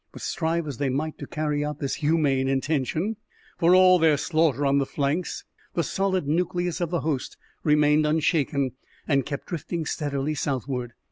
But strive as they might to carry out this humane intention, for all their slaughter on the flanks, the solid nucleus of the host remained unshaken, and kept drifting steadily southward.